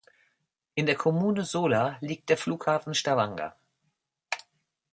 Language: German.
In der Kommune Sola liegt der Flughafen Stavanger.